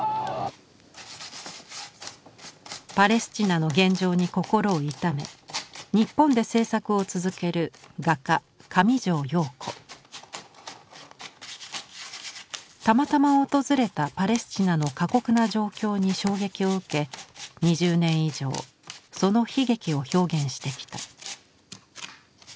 パレスチナの現状に心を痛め日本で制作を続けるたまたま訪れたパレスチナの過酷な状況に衝撃を受け２０年以上その悲劇を表現してきた。